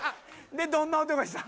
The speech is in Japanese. でどんな音がしたん？